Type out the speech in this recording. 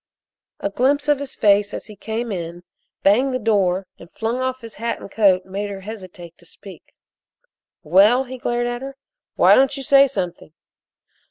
A glimpse of his face as he came in, banged the door, and flung off his hat and coat made her hesitate to speak. "Well?" he glared at her. "Why don't you say something?"